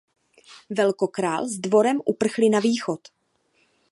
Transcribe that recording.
Velkokrál s dvorem uprchli na východ.